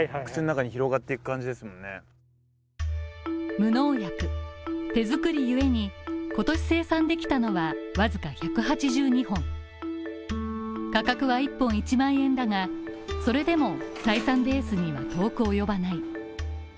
無農薬、手作りゆえに、今年生産できたのはわずか１８２本価格は１本１万円だが、採算ベースには遠く及ばない。